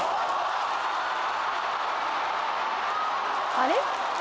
「あれ？」